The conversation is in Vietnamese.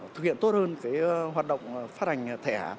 thực hiện tốt hơn hoạt động phát hành thẻ